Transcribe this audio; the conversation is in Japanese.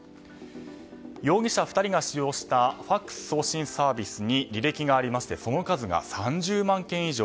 容疑者２人が使用したＦＡＸ送信サービスに履歴がありましてその数が３０万件以上。